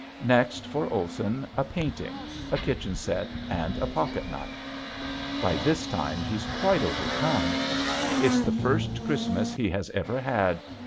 Next for Olson a painting, a kitchen set, and a pocketknife. By this time he's quite overcome. It's the first Christmas he has ever had!